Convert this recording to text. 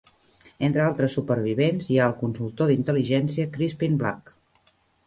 Entre altres supervivents hi ha el consultor d'intel·ligència Crispin Black.